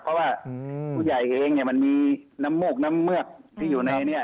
เพราะว่าผู้ใหญ่เองเนี่ยมันมีน้ำมูกน้ำเมือกที่อยู่ในนี้